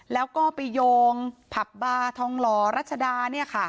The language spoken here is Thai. แล้วก็ไปโยงผับบาร์ทองหล่อรัชดา